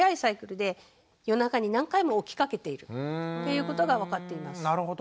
夜中に何回も起きかけているということが分かっています。